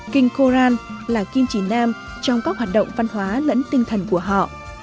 kinh koran là kim chỉ nam trong các hoạt động văn hóa lẫn tinh thần của họ